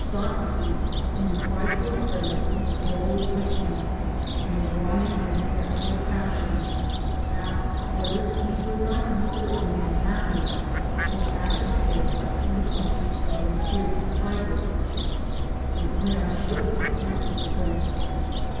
Socrates, in reply to a friend who condoled with him on the waningi of his sexual passion, asked whether he would not consider a man happy who had escaped from the clutches of a fierce tiger. " Certainly I should," answered the friend.